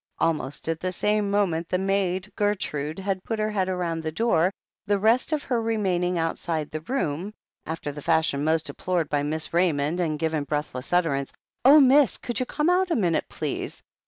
Almost at the same moment the maid Gertrude had put her head round the door, the rest of her remain ing outside the room, after the fashion most deplored by Miss Ra3anond, and given breathless utterance : "Oh, miss! Could you come out a minute, please?